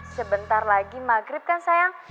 sebentar lagi maghrib kan sayang